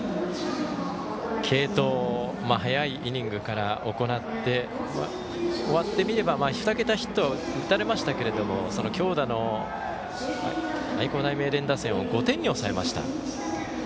継投を早いイニングから行って終わってみれば２桁ヒットは打たれましたけれども強打の愛工大名電打線を５点に抑えました。